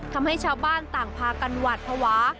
ทำให้ชาวบ้านต่างพากันหวาดภาวะ